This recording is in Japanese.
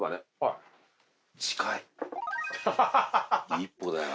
１歩だよ。